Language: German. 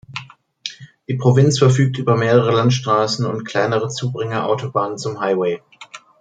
Die Provinz verfügt über mehrere Landstraßen und kleine Zubringer-Autobahnen zum Highway.